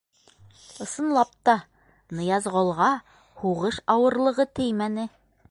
Ысынлап та, Ныязғолға һуғыш ауырлығы теймәне.